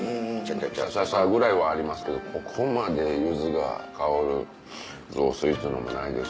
サササっぐらいはありますけどここまで柚子が香る雑炊っていうのもないですし。